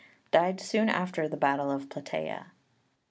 died soon after the battle of Plataea.